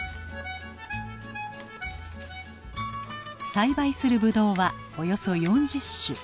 栽培するブドウはおよそ４０種。